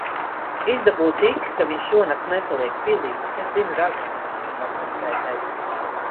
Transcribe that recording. Izdabū tik, ka viņš šonakt nepaliek pilī. Es zinu raganu, kas viņu var nosvēpēt.